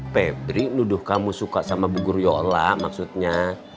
pebri menuduh kamu suka sama bu guru yola maksudnya